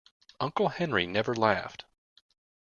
Uncle Henry never laughed.